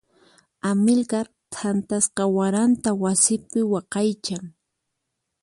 Amilcar thantasqa waranta wasipi waqaychan.